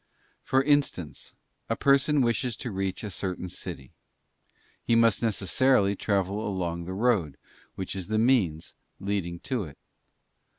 For instance, a person wishes to reach a certain city: he must necessarily travel along the road, which is the means, _ leading to it.